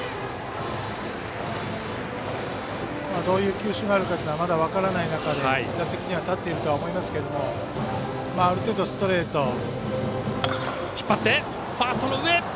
どういう球種があるかというのがまだ分からない中で打席には立っているとは思いますけれどもある程度、ストレート。